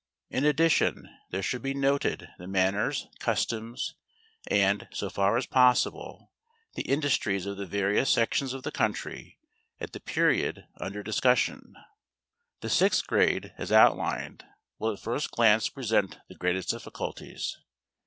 In addition, there should be noted the manners, customs, and, so far as possible, the industries of the various sections of the country at the period under discussion. The sixth grade, as outlined, will at first glance present the greatest difficulties.